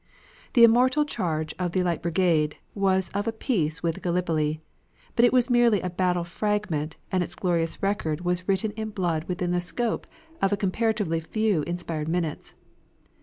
The immortal charge of the Light Brigade was of a piece with Gallipoli, but it was merely a battle fragment and its glorious record was written in blood within the scope of a comparatively few inspired minutes.